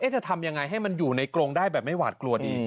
จะทำยังไงให้มันอยู่ในกรงได้แบบไม่หวาดกลัวดี